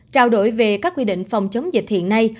trao đổi về các quy định phòng chống dịch hiện nay